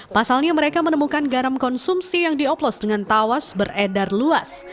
pasalnya mereka menemukan garam konsumsi yang dioplos dengan tawas beredar luas